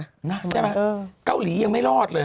ใช่ไหมเกาหลียังไม่รอดเลย